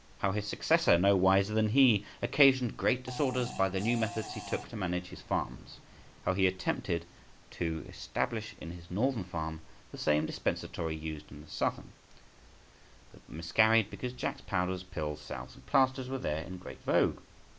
How his successor, no wiser than he, occasioned great disorders by the new methods he took to manage his farms. How he attempted to establish in his Northern farm the same dispensatory {162b} used in the Southern, but miscarried, because Jack's powders, pills, salves, and plasters were there in great vogue.